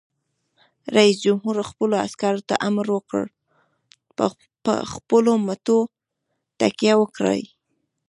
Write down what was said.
رئیس جمهور خپلو عسکرو ته امر وکړ؛ په خپلو مټو تکیه وکړئ!